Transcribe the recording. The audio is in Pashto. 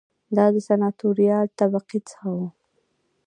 دا د سناتوریال طبقې څخه و